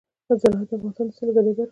زراعت د افغانستان د سیلګرۍ برخه ده.